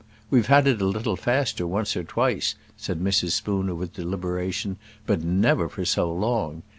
"We've had it a little faster once or twice," said Mrs. Spooner with deliberation, "but never for so long.